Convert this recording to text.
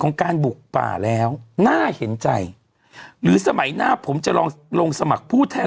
การบุกป่าแล้วน่าเห็นใจหรือสมัยหน้าผมจะลองลงสมัครผู้แทน